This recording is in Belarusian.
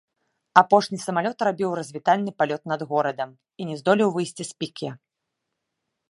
Апошні самалёт рабіў развітальны палёт над горадам і не здолеў выйсці з піке.